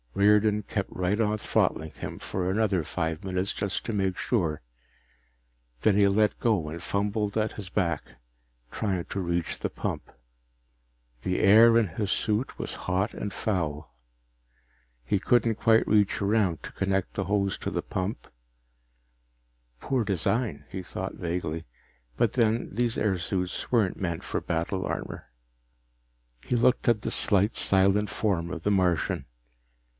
Riordan kept right on throttling him for another five minutes, just to make sure. Then he let go and fumbled at his back, trying to reach the pump. The air in his suit was hot and foul. He couldn't quite reach around to connect the hose to the pump Poor design, he thought vaguely. But then, these airsuits weren't meant for battle armor. He looked at the slight, silent form of the Martian.